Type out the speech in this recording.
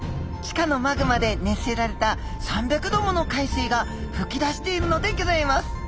地下のマグマで熱せられた３００度もの海水が噴き出しているのでぎょざいます。